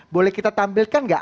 boleh kita tampilkan nggak